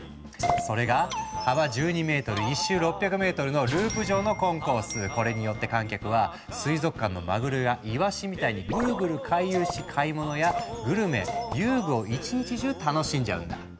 それがこれによって観客は水族館のマグロやイワシみたいにグルグル回遊し買い物やグルメ遊具を１日中楽しんじゃうんだ。